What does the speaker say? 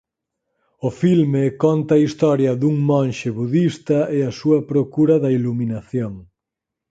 O filme conta a historia dun monxe budista e a súa procura da iluminación.